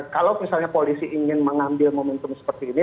kalau misalnya polisi ingin mengambil momentum seperti ini